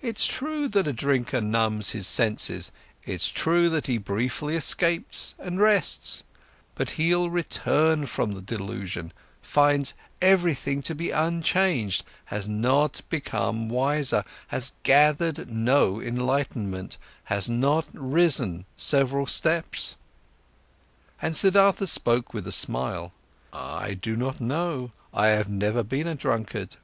It's true that a drinker numbs his senses, it's true that he briefly escapes and rests, but he'll return from the delusion, finds everything to be unchanged, has not become wiser, has gathered no enlightenment,—has not risen several steps." And Siddhartha spoke with a smile: "I do not know, I've never been a drunkard.